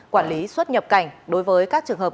quản lý xuất nhập cảnh đối với các trường hợp